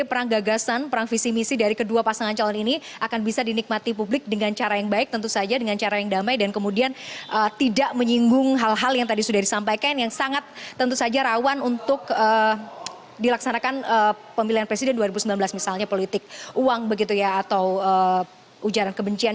perang gagasan perang visi misi dari kedua pasangan calon ini akan bisa dinikmati publik dengan cara yang baik tentu saja dengan cara yang damai dan kemudian tidak menyinggung hal hal yang tadi sudah disampaikan yang sangat tentu saja rawan untuk dilaksanakan pemilihan presiden dua ribu sembilan belas misalnya politik uang begitu ya atau ujaran kebencian